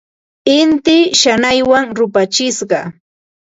Inti shanaywan rupachishqa.